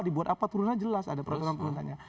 dibuat apa turunnya jelas ada peraturan turunannya